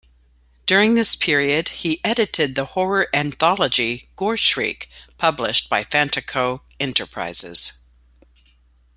During this period, he edited the horror anthology "Gore Shriek", published by FantaCo Enterprises.